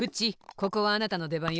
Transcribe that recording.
ここはあなたのでばんよ。